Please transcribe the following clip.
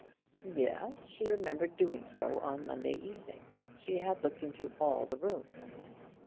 Yes, she remembered doing so on Monday evening. She had looked into all the rooms.